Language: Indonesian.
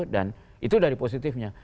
dan itu dari positifnya